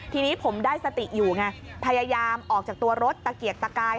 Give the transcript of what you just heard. ทีนี้ผมได้สติอยู่ไงพยายามออกจากตัวรถตะเกียกตะกาย